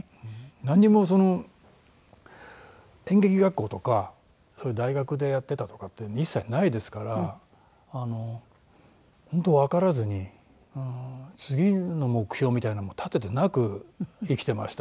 なんにもその演劇学校とか大学でやってたとかっていうの一切ないですから本当わからずに次の目標みたいなのも立ててなく生きてましたからね。